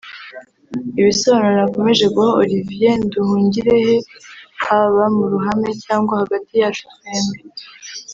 Ibisobanuro nakomeje guha Olivier Nduhungirehe haba mu ruhame cyangwa hagati yacu twembi